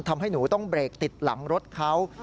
ทำให้หนูต้องเบรกติดหลังรถเขา